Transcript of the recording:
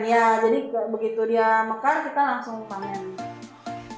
iya jadi begitu dia mekar kita langsung memanen